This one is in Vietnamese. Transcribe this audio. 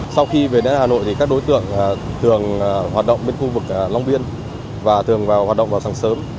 sau khi về đến hà nội các đối tượng thường hoạt động bên khu vực long biên và thường hoạt động vào sàng sơ